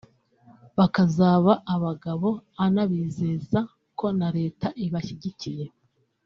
bakazaba abagabo anabizeza ko na leta ibashyigikiye